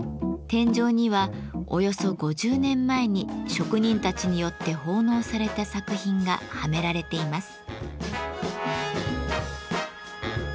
天井にはおよそ５０年前に職人たちによって奉納された作品がはめられています。